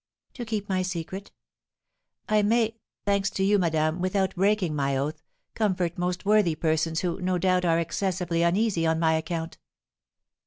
"To keep my secret. I may, thanks to you, madame, without breaking my oath, comfort most worthy persons who, no doubt, are excessively uneasy on my account."